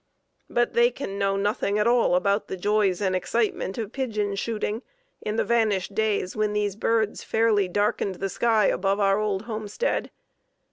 But they can know nothing at all about the joys and excitement of pigeon shooting in the vanished days when these birds fairly darkened the sky above our old homestead.